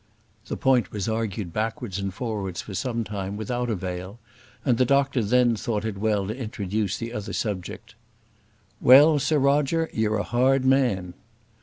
The point was argued backwards and forwards for some time without avail, and the doctor then thought it well to introduce the other subject. "Well, Sir Roger, you're a hard man."